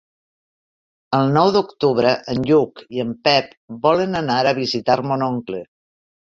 El nou d'octubre en Lluc i en Pep volen anar a visitar mon oncle.